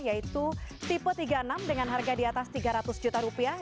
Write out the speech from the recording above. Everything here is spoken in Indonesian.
yaitu tipe tiga puluh enam dengan harga di atas tiga ratus juta rupiah